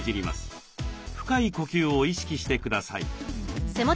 深い呼吸を意識してください。